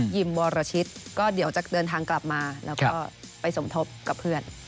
ิมวรชิตก็เดี๋ยวจะเดินทางกลับมาแล้วก็ไปสมทบกับเพื่อน